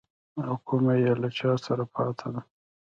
او کومه يې له چا سره پاته ده.